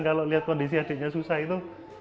kalau lihat kondisi adiknya susah itu